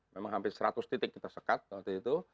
memang hampir seratus titik kita sekat waktu itu